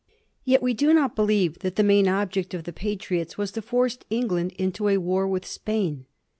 Yet we do not believe that the main object of the Patriots was to force England into a war with Spain.